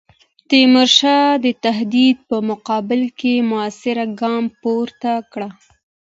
تیمورشاه د تهدید په مقابل کې موثر ګام پورته کړ.